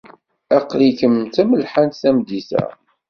Aql-ikem d tamelḥant tameddit-a.